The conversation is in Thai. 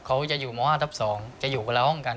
เขาจะอยู่หมอห้าทับสองจะอยู่กันแหละห้องกัน